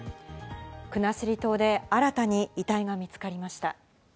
国後島で新たに遺体が見つかりました。